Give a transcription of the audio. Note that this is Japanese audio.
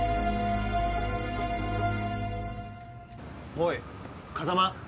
おい風真！